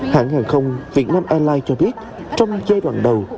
hãng hàng không việt nam airlines cho biết trong giai đoạn đầu